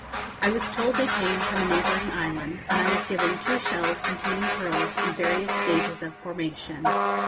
I was told they came from a neighbouring island, and I was given two shells containing pearls in various stages of formation.